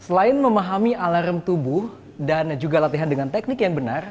selain memahami alarm tubuh dan juga latihan dengan teknik yang benar